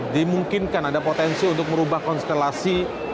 dimungkinkan ada potensi untuk merubah konstelasi